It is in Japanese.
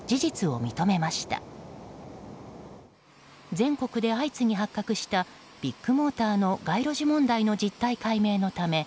全国で相次ぎ発覚したビッグモーターの街路樹問題の実態解明のため